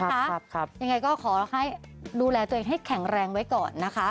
ครับครับครับยังไงก็ขอให้ดูแลตัวเองให้แข็งแรงไว้ก่อนนะคะ